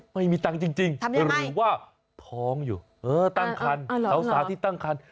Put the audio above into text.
ไม่มีตังค์จริงหรือว่าท้องอยู่ตั้งครรภ์เสาสาที่ตั้งครรภ์